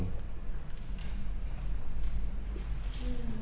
เขาบอกว่า